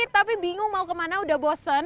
tapi bingung mau kemana udah bosen